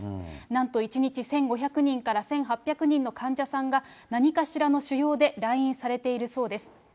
なんと１日１５００人から１８００人の患者さんが何かしらの腫ようで来院されているそうです。